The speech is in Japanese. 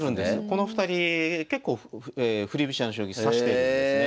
この２人結構振り飛車の将棋指してるんですね。